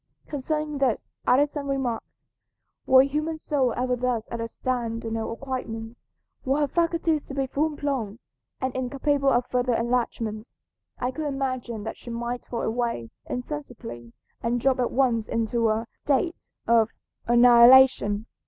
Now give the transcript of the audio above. Concerning this, Addison remarks, "Were a human soul ever thus at a stand in her acquirements, were her faculties to be full blown and incapable of further enlargement, I could imagine that she might fall away insensibly and drop at once into a state of annihilation.